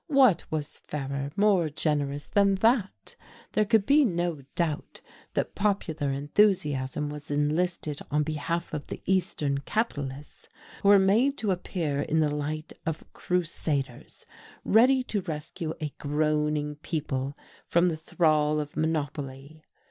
What was fairer, more generous than this! There could be no doubt that popular enthusiasm was enlisted in behalf of the "Eastern Capitalists," who were made to appear in the light of Crusaders ready to rescue a groaning people from the thrall of monopoly.